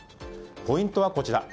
ポイントはこちら。